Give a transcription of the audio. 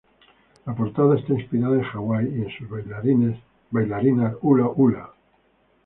La portada está inspirada en Hawái, y en sus bailarinas hula-hula.